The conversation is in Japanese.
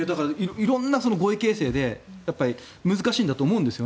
色んな合意形成で難しいんだと思うんです。